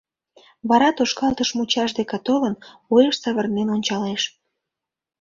Вара, тошкалтыш мучаш деке толын, уэш савырнен ончалеш.